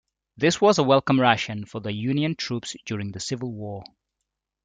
This was a welcome ration for the Union troops during the Civil War.